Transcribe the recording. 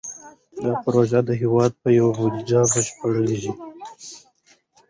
دا پروژه د هېواد په بودیجه بشپړېږي.